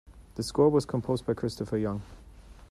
The score was composed by Christopher Young.